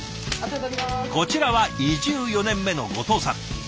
こちらは移住４年目の後藤さん。